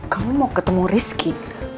kamu mau ketemu rizky